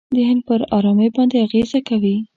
د هند پر آرامۍ باندې اغېزه کوي.